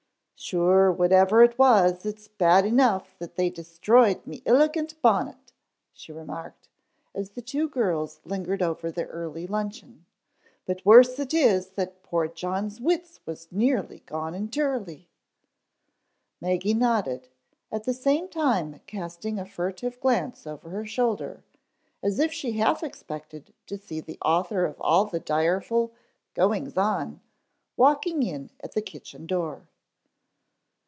"Sure, whatever it was, it's bad enough that they destroyed me iligant bonnet," she remarked, as the two girls lingered over their early luncheon. "But worse it is that poor John's wits was nearly gone intirely." Maggie nodded, at the same time casting a furtive glance over her shoulder, as if she half expected to see the author of all the direful "goings on" walking in at the kitchen door.